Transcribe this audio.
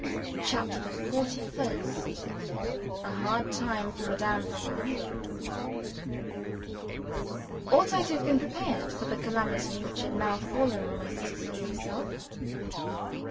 CHAPTER THE FORTY FIRST A Hard Time for Madame Pratolungo OUGHT I to have been prepared for the calamity which had now fallen on my sisters and myself?